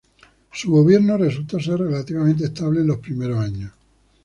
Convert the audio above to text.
Su gobierno resultó ser relativamente estable en los primeros años.